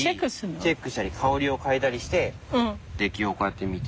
チェックしたり香りを嗅いだりして出来をこうやって見て。